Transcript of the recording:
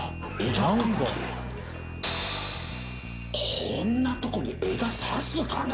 こんなとこに枝さすかね？